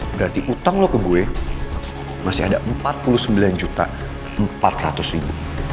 berarti utang lo ke gue masih ada empat puluh sembilan empat ratus